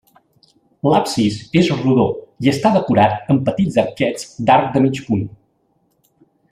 L'absis és rodó i està decorat amb petits arquets d'arc de mig punt.